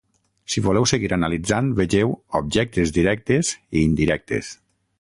Si voleu seguir analitzant, vegeu 'Objectes directes i indirectes'.